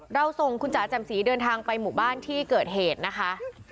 เราส่งคุณจ๋าแจ่มสีเดินทางไปหมู่บ้านที่เกิดเหตุนะคะ